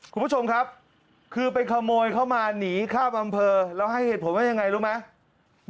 คุณผู้ชมครับคือไปขโมยเข้ามาหนีข้ามอำเภอแล้วให้เหตุผลว่ายังไงรู้ไหม